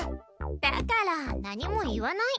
だから何も言わない。